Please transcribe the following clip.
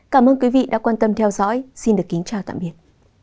cảm ơn quý vị đã quan tâm theo dõi xin kính chào tạm biệt